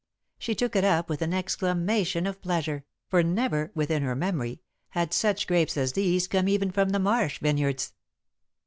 She took it up with an exclamation of pleasure, for never, within her memory, had such grapes as these come even from the Marsh vineyards.